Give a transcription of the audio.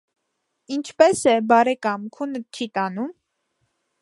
- Ի՞նչպես է, բարեկամ, քունդ չի՞ տանում: